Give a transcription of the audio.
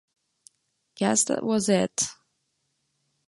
Guess that was it.